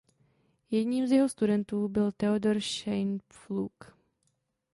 Jedním z jeho studentů byl Theodor Scheimpflug.